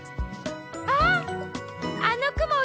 あっあのくも